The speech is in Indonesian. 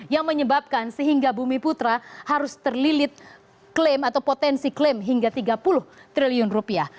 yang menyebabkan sehingga bumi putra harus terlilit klaim atau potensi klaim hingga tiga puluh triliun rupiah